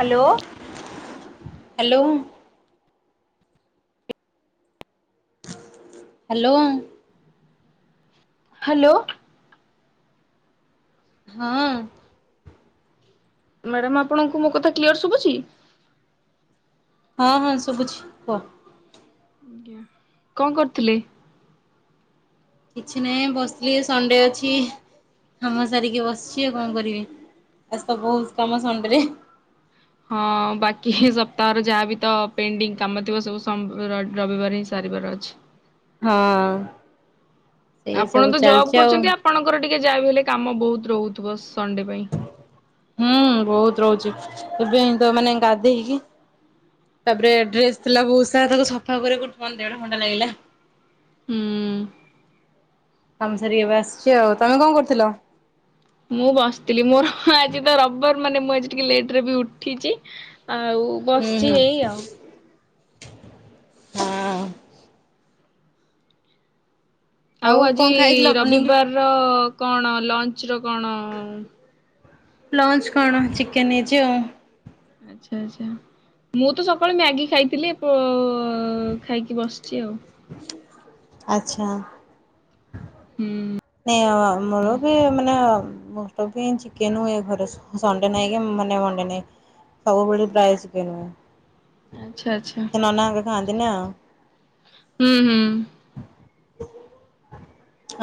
Hello. Hello. Hello. Hello. ହଁ। Madam ଆପଣଙ୍କୁ ମୋ କଥା କ୍ଲିୟର ଶୁଭୁଛି? ହଁ ହଁ ଶୁଭୁଛି କୁହ? ଆଜ୍ଞା କଣ କରୁଥିଲେ? କିଛି ନାହିଁ ବସଥିଲି ସଣ୍ଡେ ଅଛି। କାମ ସାରିକି ବସିଛି ଆଉ କଣ କରିବି ଆଜି ତ ବହୁତ କାମ ସଣ୍ଡେରେ। ହଁ ବାକି ସପ୍ତାହର ଯାହାବ ତ ପେଣ୍ଡିଙ୍ଗ କାମ ଥିବ ସବୁ ସମ ର ରବିବାର ହିଁ ସାରିବାର ଅଛି। ହଁ। ସେଇ ଆପଣ ସବୁ ତ ଜବ୍ ଚାଲିଛି ଆଉ। କରୁଛନ୍ତି ଆପଣଙ୍କର ଟିକେ ଯାହା ବି ହେଲେ କାମ ବହୁତ ରହୁଥିବ ସଣ୍ଡେ ପାଇଁ। ହୁଁ, ବହୁତ ରହୁଛି, ଏବେ ଏମତ ମାନେ ଗାଧେଇକି ତାପରେ ଡ୍ରେସ୍ ଥିଲା ବହୁତ ସାରା ତାକୁ ସଫା କରିବାକୁ ମାନେ ଦେଢ ଘଣ୍ଟା ଲାଗିଲା। ହୁଁ। କାମ ସାରିକି ଏବେ ଆସିଛି ଆଉ। ତୋମେ କଣ କରୁଥିଲ? ମୁଁ ବସିଥିଲି, ମୋର ଆଜି ତ ରବବାର ମାନେ ମୁଁ ଆଜି ଟିକେ ଲେଟ୍ ରେ ବି ଉଠିଚି। ଆଉ ହୁଁ ବସିଛି ହୁଁ ହେଇ ଆଉ। ହଁ ଆଉ ଆଜି କଣ ଖାଇଥିଲ ମର୍ଣ୍ଣିଂରେ? ରବିବାରର କଣ ଲଞ୍ଚ ର କଣ? ଲଞ୍ଚ୍ କଣ ଚିକେନ୍ ହେଇଛି ଆଉ। ଆଚ୍ଛା, ଆଚ୍ଛା ମୁଁ ତ ସକାଳୁ ମ୍ୟାଗି ଖାଇଥିଲି, ପୁ ଅ, ଖାଇକି ବସିଛି ଆଉ। ଆଚ୍ଛା। ହୁଁ। ନି ଅ, ଆମର ବି ମାନେ ଅ, ମଷ୍ଟପି ଚିକେନ୍ ହୁଏ ଘରେ, ସଣ୍ଡେ ନାଇଁ କି ମାନେ ମଣ୍ଡେ ନାଇଁ। ସବୁବେଳେ ପ୍ରାୟ ଚିକେନ୍ ହୁଏ। ଆଚ୍ଛା, ଆଚ୍ଛା, ସେ ନନା ହେରିକା ଖାଆନ୍ତି ନା। ହୁଁ, ହୁଁ।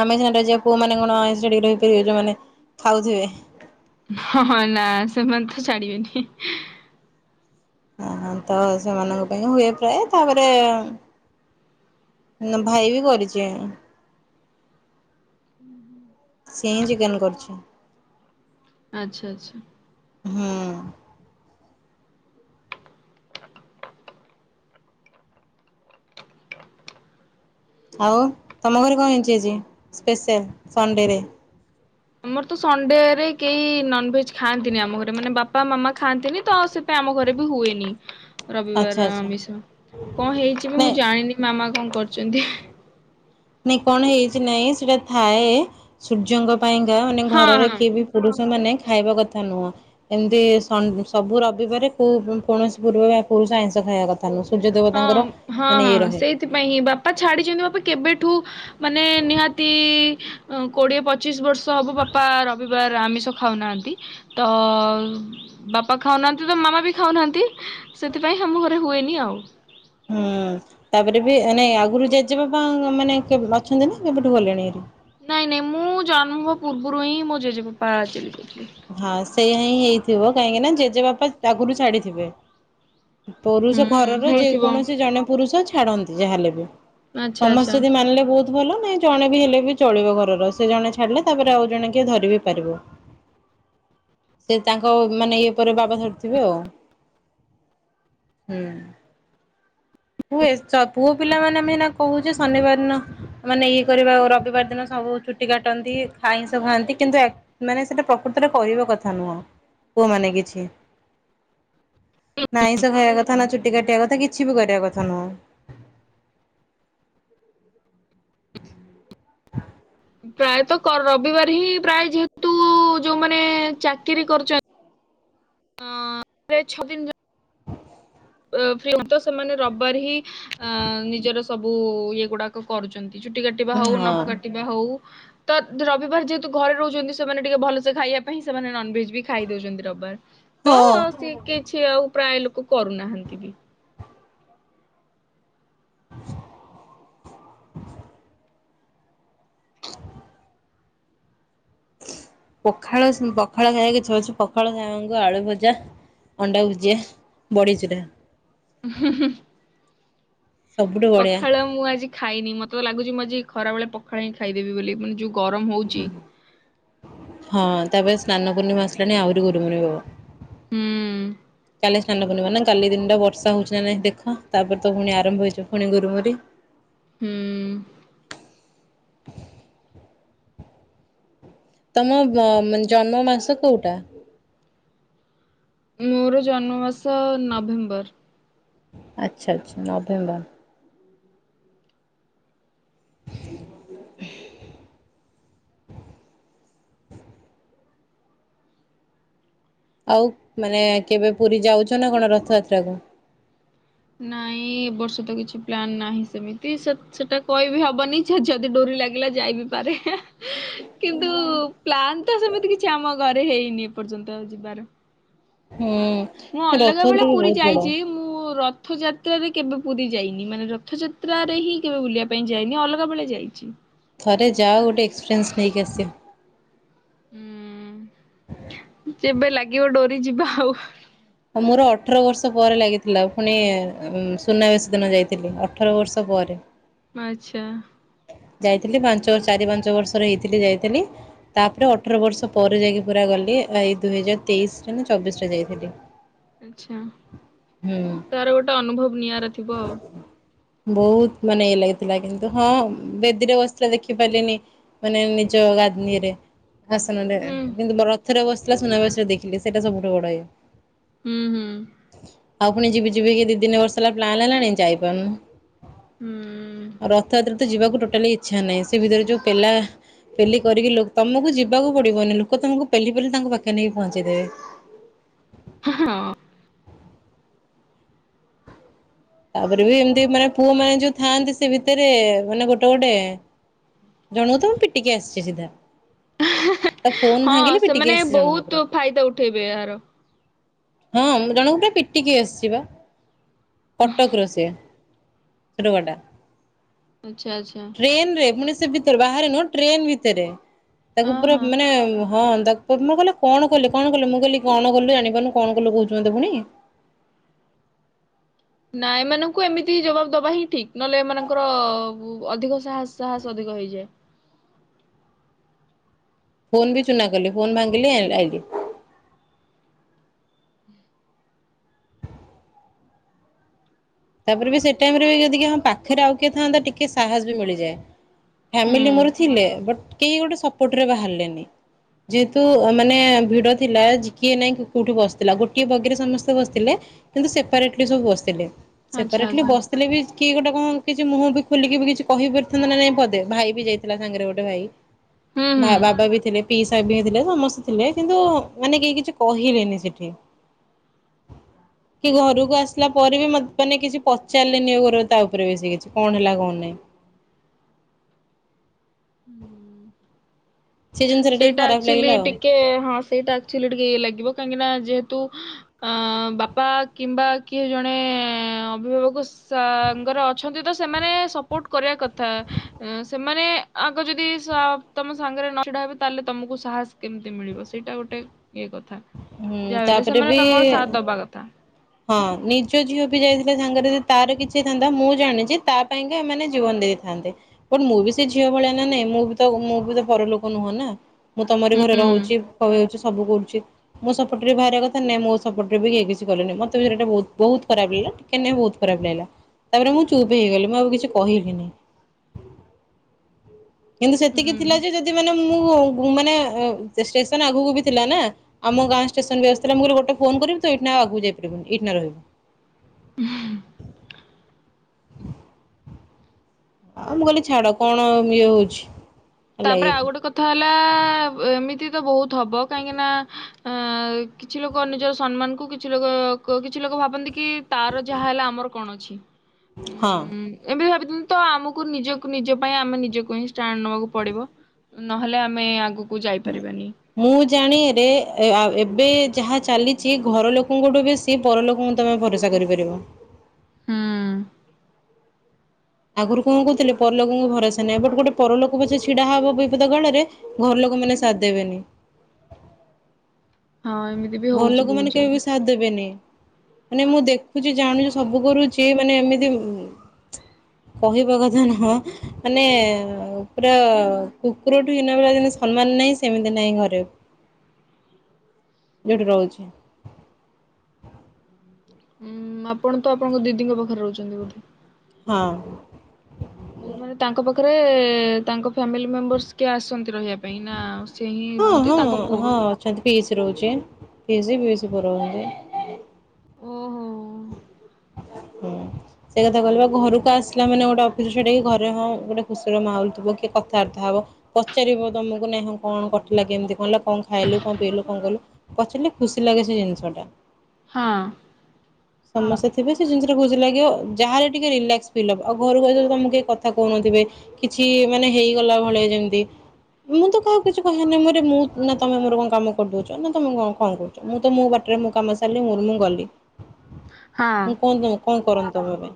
ଆମେ ସିନା ରହିଯିବା ପୁଅମାନେ କଣ ଆଇଁଷ ଛାଡିକି ରହିପାରିବେ, ଯୋଉମାନେ ଖାଉଥିବେ। ହଁ ନା ସେମାନେ ତ ଛାଡିବେନି। ହଁ, ହଁ ତ ସେମାନଙ୍କ ପାଇଁ ହୁଏ ପ୍ରାୟ, ତାପରେ ଉଁ ନା ଭାଇ ବି କରିଚି। ସିଏ ହିଁ ଚିକେନ୍ କରିଛି। ଆଚ୍ଛା, ଆଚ୍ଛା। ହୁଁ। ଆଉ ତୋମ ଘରେ କଣ ହେଇଞ୍ଚି ଆଜି ସ୍ପେଶାଲ୍ ସଣ୍ଡେରେ? ଆମର ତ ସଣ୍ଡେରେ କେହି ନନଭେଜ୍ ଖାଆନ୍ତିନି ଆମ ଘରେ। ମାନେ ବାପା ମାମା ଖାଆନ୍ତିନି ତ ସେ ସେ ଆମ ଘରେ ବି ହୁଏନି। ରବିବାର ଆଚ୍ଛା ର ଆଚ୍ଛା ଆମିଷ କଣ ହେଇଚି ମୁଁ ନାଇଁ ଜାଣିନି, ମାମା କଣ କରଚନ୍ତି। ନାଇଁ କଣ ହେଇଛି ନାଇଁ ସେଇଟା ଥାଏ ସୂର୍ଯ୍ୟଙ୍କ ପାଇଁକା ମାନେ ହଁ ଘରର ହଁ। କିଏ ବି ପୁରୁଷ ମାନେ ଖାଇବା କଥା ନୁହଁ। ଏମିତି ସନ୍ ସବୁ ରବିବାର କୋଉ କୌଣସି ପୂର୍ବ ବା ପୁରୁଷ ଆଇଁଷ ଖାଇଆ କ ଥା ନୁହଁ ସୂର୍ଯ୍ୟଦେବତାଙ୍କର ମାନେ ଇଏ ରହେ। ସେଥିପାଇଁ ହିଁ ବାପା ଛାଡିଛନ୍ତି, ବାପା କେବେଠୁ ମାନେ ନିହାତି ଅଁ, କୋଡିଏ ପଚିଶ ବର୍ଷ ହବ ବାପା ରବି ବାର ଆମିଷ ଖାଉନାହାନ୍ତି, ତ ବାପା ଖାଉନାହାନ୍ତି ତ ମାମା ବି ଖାଉନାହାନ୍ତି, ସେଥିପାଇଁ ଆମ ଘରେ ହୁଏନି ଆଉ। ହୁଁ, ତାପରେ ବି ଏ ନାଇଁ ଆଗରୁ ଜେଜେବାପା ମାନେ କେବ ଅଛନ୍ତି ନା କେବେଠୁ ଗଲେଣି ହେରି? ନାଇଁ ନାଇଁ ମୁଁ ଜନ୍ମ ହବା ପୂର୍ବରୁ ହିଁ ମୋ ଜେଜେବାପା ଚାଲି ଯାଇଥିଲେ। ହଁ ସେଇଆ ହିଁ ହେଇଥିବ କାହିଁକି ନା ଜେଜେ ବାପା ଆଗରୁ ଛାଡିଥିବେ। ପୁରୁଷ ହୁଁ ଘରର ହେଇଥିବ ଯେକୌଣସି ଜଣେ ପୁରୁଷ ଛାଡନ୍ତି ଯାହାହେଲେ ବି। ଆଚ୍ଛା ଆଚ୍ଛା। ସମସ୍ତେ ଯଦି ମାନିଲେ ବହୁତ ଭଲ ନାଇଁ ଜଣେ ବି ହେଲେ ବି ଚଳିବ ଘରର। ସେ ଜଣେ ଛାଡିଲେ ତାପରେ ଆଉ ଜଣେ କିଏ ଧରି ବି ପାରିବ। ସେ ତାଙ୍କ ମାନେ ଇଏ ପରେ ବାବା ଧରିଥିବେ ଆଉ। ହୁଁ। ହୁଏ ସ-ପୁଅ ପିଲାମାନେ ଭିନା କହୁଛି ଶନିବାରନ ମାନେ ଇଏ କରିବା ଓ ରବିବାର ଦିନ ସବୁ ଚୁଟି କାଟନ୍ତି, ଆଇଁଷ ଖାଆନ୍ତି କିନ୍ତୁ ଏ ମାନେ ସେଟା ପ୍ରକୃତରେ କରିବା କଥା ନୁହଁ ପୁଅ ମାନେ କିଛି। ନା ଆଇଁଷ ଖାଇବା କଥା ନା, ଚୁଟି କାଟିବା କଥା କିଛି ବି କରିବା କଥା ନୁହଁ। ପ୍ରାୟତ କର ରବିବାର ହିଁ ପ୍ରାୟ ଯେହେତୁ ଯୋଉମାନେ ଚାକିରି କରୁଚ ଅଁ, ରେ ଛଅ ଦିନ ଯୋ ଫି ତ ସେମାନେ ରବିବାର ହିଁ ନିଜର ସବୁ ଇଏ ଗୁଡାକ କରୁଛନ୍ତି। ଚୁଟି କାଟିବା ହଉ ନଖ କାଟିବା ହଉ। ତ ରବିବାର ଯେହେତୁ ଘରେ ରହୁଛନ୍ତି ସେମାନେ ଟିକେ ଭଲସେ ଖାଇବା ପାଇଁ ସେମାନେ ନନଭେଜ ବି ଖାଇଦଉଛନ୍ତି ରବିବାର। ତ ହଁ ହଁ। ସେ କିଛି ଆଉ ପ୍ରାୟ ଲୋକ କରୁନାହାନ୍ତି ବି। ପଖାଳ ପଖାଳ ଖାଇବାକୁ ଇଛା ହଉଛି ପଖାଳ ସାଙ୍ଗକୁ ଆଳୁ ଭଜା। ଅଣ୍ଡା ଭୁଜିଆ, ବଢ଼ି ଚୁରା। ହୁଁ, ହୁଁ। ସବୁଠୁ ବଢ଼ିଆ ପଖାଳ ମୁଁ ଆଜି ଖାଇନି ମତେ ତ ଲାଗୁଚି ମୁଁ ଆଜି ଖରାବେଳେ ପଖାଳ ହିଁ ଖାଇଦେବି ବୋଲି। ମାନେ ଯୋଉ ଗରମ୍ ହଉଚି। ହଁ ତାପରେ ସ୍ନାନ ପୂର୍ଣ୍ଣିମା ଆସିଲାଣି ଆହୁରି ଗୁର୍ ମୁରେଇବ। ହୁଁ। ଲି ସ୍ନାନ ପୂର୍ଣ୍ଣିମା ନା କାଲି ଦିନ୍ ଟା ବର୍ଷା ହଉଚି ନାଇ ଦେଖ ତାପରେ ତ ପୁଣି ଆରମ୍ଭ ହେଇଯିବ ପୁଣି ଗୁରୁମୁରି। ହୁଁ। ତମ ବ ମାନେ ଜନ୍ମ ମାସ କୋଉଟା? ମୋର ଜନ୍ମମାସ ନଭେମ୍ବର। ଆଚ୍ଛା ଆଚ୍ଛା ନଭେମ୍ବର। ଆଉ ମାନେ କେବେ ପୁରୀ ଯାଉଚ ନା କଣ ରଥଯାତ୍ରା କୁ? ନାଇଁ ଏବର୍ଷ ତ କିଛି ପ୍ଲାନ୍ ନାହିଁ ସେମିତି ସେ ସେଟା କହିବି ହବନି। ଯ ଯଦି ଡୋରି ଲାଗିଲା ଯାଇ ବିି ପାରେ ହେଁ। କିନ୍ତୁ ପ୍ଲାନ୍ ତ ସେମିତି କିଛି ଆମ ଘରେ ହେଇନି ଏପର୍ଯ୍ୟନ୍ତ ଯିବାର। ହୁଁ। ମୁଁ ଅଲଗା ବେଳେ ରଥଯାତ୍ରା ବି ପୁରୀ ବହୁତ ବଡ଼ ଯାଇଚି ମୁଁ ରଥଯାତ୍ରାରେ କେବେ ପୁରୀ ଯାଇନି। ମାନେ ର ଥଯାତ୍ରାରେ ହିଁ କେବେ ବୁଲିବା ପାଇଁ ଯାଇନି ଅଲଗା ବେଳେ ଯାଇଚି। ଥରେ ଯାଅ ଗୋଟେ ଏକ୍ସପିରିଏନ୍ସ ନେଇକି ଆସିବ। ହୁଁ, ଯେବେ ଲାଗିବ ଡୋରି ଯିବା ଆଉ। ମୋର ଅଠର ବର୍ଷ ପରେ ଲାଗିଥିଲା ପୁଣି ଉଁ ସୁନାବେଶ ଦିନ ଯାଇଥିଲି ଅଠର ବର୍ଷ ପରେ। ଆଛା। ଯାଇଥିଲି ପାଞ୍ଚ ଚାରି ପାଞ୍ଚ ବର୍ଷର ହେଇଥିଲି ଯାଇଥିଲି। ତାପରେ ଅଠର ବର୍ଷ ପରେ ଯାଇକି ପୁରା ଗଲି ଏଇ ଦୁଇହଜାର ତେଇଶ୍ ରେ ନା ଚବିଶ୍ ରେ ଯାଇଥିଲି। ଆଛା ହୁଁ ତାର ଗୋଟେ ଅନୁଭବ ନିଆରା ଥିବ ଆଉ। ବହୁତ୍ ମାନେ ଇଏ ଲାଗିଥିଲା। କିନ୍ତୁ ହଁ ବେଦୀରେ ବସିଥିଲା ଦେଖି ପାରିଲିନି ମାନେ ନିଜ ଗାଧ୍ ଇଏରେ। ହୁଁ [unintelligible] କିନ୍ତୁ ରଥରେ ବସିଥିଲା ସୁନାବେଶ ଦେଖିଲି ସେଇଟା ସବୁଠୁ ବଡ ଇଏ। ହୁଁ ହୁଁ। ଆଉ ପୁଣି ଯିବି ଯିବି କି ଦି ତିନି ବର୍ଷ ହେଲା ପ୍ଲାନ୍ ହେଲାଣି ଯାଇପାରୁନୁ। ହୁଁ। ଆଉ ରଥଯାତ୍ରା ତ ଯିବାକୁ ଟୋଟାଲି ଇଚ୍ଛା ନାହିଁ ସେ ଭିତରେ ଯୋଉ ପେଲା ପେଲି କରିକି ଲୋ ତମକୁ ଯିବାକୁ ପଡିବନି ଲୋକ ତମକୁ ପେଲି ପେଲି ତାଙ୍କ ପାଖରେ ନେଇକି ପହଞ୍ଚେଇଦେବେ। ହଁ ହଁ। ତାପରେ ବି ଏମିତି ମାନେ ପୁଅ ମାନେ ଯୋଉ ଥାଆନ୍ତି ସେ ଭିତରେ ମାନେ ଗୋଟେ ଗୋଟେ। ଜଣକୁ ତ ମୁଁ ପିଟିିକି ଆସିଚି ସିଧା। ହେଁ ତା ଫୋନ ହଁ ଭାଙ୍ଗିଲି ପିଟିକି ସେମାନେ ଆସିଛି ଜଣଙ୍କୁ ବହୁତ୍ ପୁରା। ଫାଇଦା ଉଠେଇବେ ଏହାର। ହଁ ମୁଁ ଜଣଙ୍କୁୁ ପୁରା ପିଟିକି ଆସିିଚି ପା କଟକ ର ସିଏ। ସେ ଟୋକା ଟା। ଆଛା ଆଚ୍ଛା। ଟ୍ରେନ୍ ରେ ପୁଣି ସେ ଭିତରେ ବାହାରେ ନୁହଁ ଟ୍ରେନ୍ ଭିତରେ। ତାକୁ ହଁ ପୁରା ହଁ। ମାନେ ହଁ ତା ମୁଁ କହିଲି କଣ କଲେ କଣ କଲେ ମୁଁ କହିଲି କଣ କଲୁ ଜାଣିପାରୁନୁ କଣ କଲୁ କହୁଚୁ ମତେ ପୁଣି। ନା ଏମାନଙ୍କୁ ଏମିତି ଜବାବ୍ ଦବା ହିଁ ଠିକ୍ ନହେଲେ ଏମାନଙ୍କର ଅଧିକ ସାହସ ସାହସ ଅଧିକ ହେଇଯାଏ। ଫୋନ୍ ବି ଚୁନା କଲି ଫୋନ୍ ଭାଙ୍ଗିଲି ଆ ଆଇଲି। ତାପରେ ବି ସେ ଟାଇମ୍ ରେ ବି ଯଦି କିଏ ହଁ ପାଖରେ ଆଉ କିଏ ଥାନ୍ତା ଟିକେ ସାହସ୍ ବି ମିଳିଯାଏ। ହୁଁ ଫ୍ୟାମିଲି ମୋର ଥିଲେ ବଟ୍ କେହି ଗୋଟେ ସପୋର୍ଟରେ ବାହାରିଲେନି। ଯେହେତୁ ମାନେ ଭିଡ ଥିଲା କିଏ ନାଇଁ କୋଉଠି ବସିଥିଲା ଗୋଟିଏ ବଗିରେ ସମସ୍ତେ ବସିଥିଲେ। କିନ୍ତୁ ସେପାରେଟ୍ଲି ସବୁ ବସିଥିଲେ ଆଚ୍ଛା ସେପାରେଟ୍ଲି ଆଚ୍ଛା ବସ୍ ଥିଲେବି କିଏ ଗୋଟେ କଣ କିଛି ମୁହଁ ବି ଖୋଲିକି ବି କିଛି କହିପାରିଥାନ୍ତା ନା ନାଇଁ ପଦେ ଭାଇ ବି ଯାଇଥିଲା ସାଙ୍ଗରେ ଗୋଟେ ଭାଇ। ହୁଁ ବା ବାବା ହୁଁ। ବି ଥିଲେ ପିଇସା ବି ଥିଲେ ସମସ୍ତେ ଥିଲେ କିନ୍ତୁ ମାନେ କେହି କିଛି କହିଲେନି ସେଠି। [inaudible] କି ଘରକୁ ଆସିଲା ପରେ ବି ମୋତ୍ ମାନେ କିଛି ପଚାରିଲେନି ଏଗୁରା ତା ଉପରେ ବେଶି କିଛି କଣ ହେଲା କଣ ନାହିଁ? ସେ ଜିନିଷଟା ଟିକେ ସେଇଟା ଖରାପ ଆକଚୁଆଲି ଲାଗିଲା ଆଉ ଟିକେ ହଁ ସେଇଟା ଆକଚୁଆଲିି ଟିକେ ଇଏ ଲାଗିବ କାହିଁକି ନା ଯେହେତୁ ଅଁ ବାପା କିମ୍ବା କିଏ ଜଣେ ଅଭିଭାବକ ସାଙ୍ଗରେ ଅଛନ୍ତି ତ ସେମାନେ ସପୋର୍ଟ କରିବା କଥା। ସେମାନେ ଆଗ ଯଦି ସବ୍ ତମ ସାଙ୍ଗରେ ନ ଛିଡା ହେବେ ତାହେଲେ ତମକୁ ସାହସ କେମିତି ମିଳିବ ସେଇଟା ଗୋଟେ ଇଏ କଥା। ହୁଁ ଯାହାହେଲେ ତାପରେ ସେମାନେ ବି ତମର ସାତ୍ ଦବା କଥା। ହଁ ନିଜ ଝିଅ ବି ଯାଇଥିଲେ ସାଙ୍ଗରେ ଯଦି ତାର କିଛିହେଇଥାନ୍ତା ମୁଁ ଜାଣିଛି ତା ପାଇଁକା ଏମାନେ ଜୀବନ ଦେଇ ଥାନ୍ତେ। ବ ମୁଁ ବି ସେ ଝିଅ ଭଳିଆ ନା ନାଇଁ ମୁଁ ବି ତ ମୁଁ ବି ତ ପରଲୋକ ନୁହଁ ନାଁ। ମୁଁ ତମରି ଘରେ ହୁଁ ରହୁଛି ସବୁ କରୁଛି। ମୋ ସପୋର୍ଟ ରେ ବାହାରି କଥା ନାଇଁ ସପୋଟରେ ବି କେହି କିଛି କଲେ ନି ମତେ ତେ ସେଇଟା ବହୁତ ବହୁତ ଖରାଲାଗିଲା ଟିକେ ନାଇଁ ବହୁତ ଖରାପ ଲାଗିଲା। ତାପରେ ମୁଁ ଚୁପ୍ ହେଇଗଲି ମୁଁ ଆଉ କିଛି କହିବିନି। କିନ୍ତୁ ସେତିକି ହୁଁ। ଥିଲା ଯେ ଯଦି ମାନେ ମୁଁ ମାନେ ଏ ଷ୍ଟେସନ ଆଗକୁ ବି ଥିଲା ନାଁ। ଆମ ଗାଁ ଷ୍ଟେସନ ବି ଆସିଥିଲା ମୁଁ କହିଲି ଗୋଟ ଫୋନ୍ କରିବି ତୁ ଏହି ଏଇଠି ନା ଆଉ ଆଗକୁ ଯାଇପାରିବୁନି ଏଇଠି ନା ରହିବୁ। ଆ ମୁଁ କହିଲି ଛାଡ କଣ ଆଉ ଇଏ ହଉଛି? ହେଲା ତାପରେ ଇଏ ଆଉ ଗୋଟେ କଥା ହେଲା ଆ ଏମିତି ତ ବହୁତ ହବ କାହିଁକି ନା ଆ କିଛି ଲୋକ ନିଜର ସମ୍ମାନ କୁ କିଛି ଲୋକ କ କିଛି ଲୋକ ଭାବନ୍ତି କି ତାର ଯାହା ହେଲା ଆମର କଣ ଅଛି? ହଁ। ଏବେ ଭାବିଥିଲି ତ ଆମକୁ ନିଜକୁ ନିଜ ପାଇଁ ଆମେ ନିଜକୁ ହିଁ ଷ୍ଟାଣ୍ଡ ନବାକୁ ପଡ଼ିବ। ନହେଲେ ଆମେ ଆଗକୁ ଯାଇପାରିବାନି। ମୁଁ ଜାଣିଆରେ ଆ ଏବେ ଯାହା ଚାଲିଛି ଘର ଲୋକଙ୍କଠୁ ବେଶ୍ ଶି ପରଲୋକଙ୍କୁ ତମେ ଭରସା କରିପାରିବ। ହୁଁ। ଆଗରୁ କଣ କହୁଥିଲେ ପରଲୋକଙ୍କୁ ଭରସା ନାହିଁଁ ଏବେଟ ଗୋଟେ ପରଲୋକ ପଛେ ଛିଡା ହବ ବିପଦ କାଳରେ ଘର ଲୋକ ମାନେ ସାଥ୍ ଦେବେନି। ହଁ ଏମତି ଘର ଲୋକମାନେ କେବେ ବି ସାଥ୍ ଦେବେନି। ମାନେ ମୁଁ ଦେଖୁଛି ଜାଣୁଛି ସବୁ କରୁଛି ମାନେ ଏମିତି ଉ କହିବା କଥା ନୁହଁ ମାନେ ପୁରା କୁକୁରଠୁ ହିନ ଭଳିଆ ଜିନିଷ ସମ୍ମାନ ନାହିଁ ସେମିତି ନାହିଁ ଘରେ। ଯୋଉଠି ରହୁଛି। ଉଁ ଆପଣ ତ ଆପଣଙ୍କ ଦିଦିଙ୍କ ପାଖରେ ରହୁଛନ୍ତି ବୋଧେ। ହଁ। ଯୋଉମାନେ ତାଙ୍କ ପାଖରେ ତାଙ୍କ ଫ୍ୟାମିଲି ମେମ୍ବରର୍ସ କିଏ ଆସନ୍ତି ରହିବା ପାଇଁ ନାଁ ଆଉ ସେ ହିଁ ରୁହନ୍ତି ତାଙ୍କ ପୁଅ। ସେଠି ପିଇସି ରହୁଛି ପିଇସି ପିଇସି ବର ରହୁଛନ୍ତି। ଓହୋ। ହୁଁ। ସେ କଥା କହିଲି ପା ଘରକୁ ଆସିଲା ମାନେ ଗୋଟେ ଅଫିସରୁ ସେଟାକି ଘରେ ହଁ ଗୋଟେ ଖୁସିର ମାହୋଲ ଥିବ କିଏ କଥାବାର୍ତ୍ତା ହବ। ପଚାରିବ ତମକୁ ନାହିଁଁ କଣ କଟିଲା କେମିତି କଣ ହେଲା? ଖାଇଲୁ କଣ ପିଇଲୁ କଣ କଲୁ ପଚାରିଲେ ଖୁସି ଲାଗେ ସେ ଜିନିଷଟା। ହଁ। ସମସ୍ତେ ତେବେ ସେ ଜିନିଷଟା ଖୁସି ଲାଗିବ ଯାହାହେଲେ ଟିକେ ରିଲାକ୍ସ ଫିଲ୍ ହେବ ଆଉ ଘରକୁ ଆସିଲେ ତମକୁ କେହି କଥାକହୁନଥିବେ। କିଛି ମାନେ ହେଇଗଲା ଭଳିଆ ଯେମତି ମୁଁ ତ କାହାକୁ କିଛି କହିବାରେ ନାହିଁ ମରେ ମୁଁ ନା ତମେ ମୋର କଣ କାମ କରିଦଉଛ ନା ତମେ କଣ କହୁଛ। ମୁଁ ତ ମୋ ବାଟରେ ମୋ କାମ ସାରିଲି ମୋର ମୁଁ ଗଲି। ହଁ ମୁଁ କୁହନ୍ତୁ କଣ କରନ୍ତି ତମ ପାଇଁ।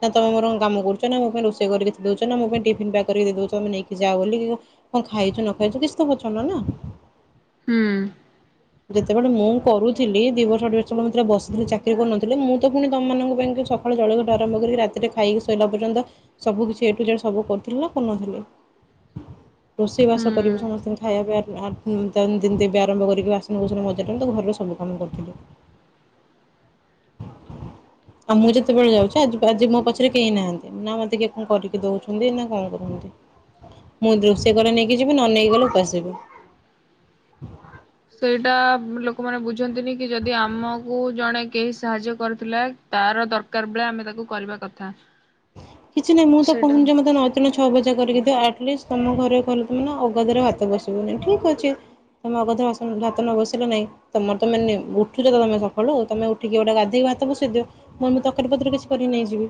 ନା ତମେ ମୋର କଣ କାମ କରୁଛ ନା ମୋ ପାଇଁ ରୋଷେଇ କରି ଦଉଛ ନା ମୋ ଟିଫିନ୍ ପ୍ୟାକ୍ କରିକି ଦଉଚ ନେଇକି ଯା ବୋଲି। କଣ ଖାଇଛ ନ ଖାଇଛ କିଛି ତ ବୁଝୁନ ନାଁ। ହୁଁ। ଯେତେବେଳେ ମୁଁ କରୁଥିଲି ଦି ବର୍ଷ ଅଢ଼େଇ ବର୍ଷ ଭିତରେ ବସିଥିଲି ଚାକିରି କରୁନଥିଲି। ଥିଲେ ମୁଁ ତ ପୁଣି ତମମାନଙ୍କ ପାଇଁ ସକାଳୁ ଜଳ ଖିଆଠୁ ଆରମ୍ଭ କରିକି ରାତିରେ ଖାଇକି ଶୋଇଲା ପର୍ଜନ୍ତ। ସବୁ କିଛି ଏ ଟୁ ଜେଡ ସବୁ କରୁଥିଲ ନା କରୁନଥିଲି। [inaudible] ରୋଷେଇ ବାସ ହୁଁ। କରିବୁ ସମସ୍ତଙ୍କୁ ଖାଇବା ପିବା ଆ ଦେବି ଆରମ୍ଭ କରିକି ବାସନ ବାସନ ମଜା ଠୁ ତାଙ୍କ ଘରର ସବୁ। କାମ କରୁଥିଲୁ। ଆଉ ମୁଁ ଯେତେବେଳେ ଯାଉଛି ଆ ଆଜି ମୋ ପଛରେ କେହି ନାହାନ୍ତି ନା ମତେ କିଏ କଣ କରିକି ଦଉଛନ୍ତି ନା କଣ କରୁଛନ୍ତି। ମୁଁ ରୋସେଇ କଲେ ନେଇକି ଯିବି ନ ନେଇକି ଗଲେ ଓପାସ ଶୋଇବି। ସେଇଟା ଲୋକମାନେ ବୁଝନ୍ତିନିକି ଯଦି ଆମକୁ ଜଣେ କେହି ସାହାଯ୍ୟ କରିଥିଲା। ତାର ଦରକାର ବେଳେ ଆମେ ତାକୁ କରିବା କଥା। କିଛି ନାହିଁ ମୁଁ ତ ସେଇଟା କହୁନି ଯେ ମତେ ନ ଛଅ ଭଜା କରିକିଦିଅ ଆଟଲିଷ୍ଟ ତମ ଘରେ କଣ କହିବେନା ଆଗାଧୁଆ ଭାତ ବସିବନି ଠିକ ଅଛି। ତୁମେ ଅଗାଧୁଆ ବାସନ ଭାତ ନବସେଇଲ ନାହିଁ। ତମର ତମାନେ ଉଠୁଛ ତମେ ସଖାଳୁ ତମେ ଉଠିକି ଗୋଟେ ଗାଧୋଇିକି ଭାତ ବସେଇ ଦିଅ। ମୁ ମୁଁ ତରକାରୀ ପତ୍ର କିଛି କରି ନେଇଯିବି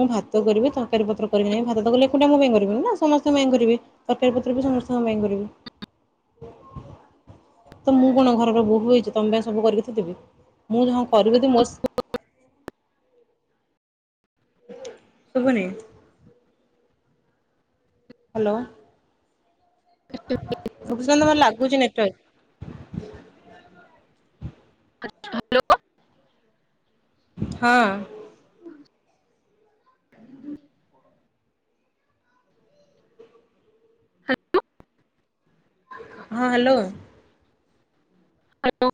ମୁଁ ଭା ତ କରିବି ତରକାରି ପତ୍ର କରିବି ନାହିଁ ଭାତ ତ କଲେ ଏକୁଟିଆ ମୋ ପାଇଁ କରିବିନି ନା ସମସ୍ତଙ୍କ ପାଇଁ କରିବି। ତରକାରୀ ପତ୍ର ବି ସମର୍ଥଙ୍କ ପାଇଁ କରିବି। [inaudible] ତ ମୁଁ କଣ ଘରର ବୋହୂ ହେଇଛି ତମ ସବୁ କରିକି ଥୋଇଦେବି ମୁଁ ହଁ କରିବି ଯଦି ମୋ [unintelligible] ଶୁଭୁନି। ହାଲୋ। ଅଜବ ଲାଗୁଛି ନେଟୱର୍କ। ହାଲୋ। ହଁ। [inaudible] ହଁ ହାଲୋ। ହାଲୋ।